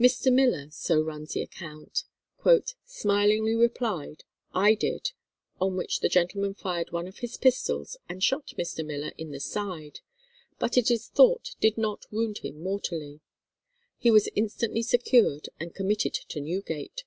"Mr. Miller," so runs the account, "smilingly replied, 'I did,' on which the gentleman fired one of his pistols and shot Mr. Miller in the side, but it is thought did not wound him mortally. He was instantly secured and committed to Newgate."